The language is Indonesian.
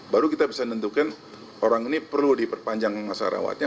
baru kita bisa menentukan orang ini perlu diperpanjang masa rawatnya